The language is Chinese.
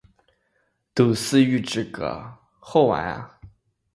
都是预制歌，好完了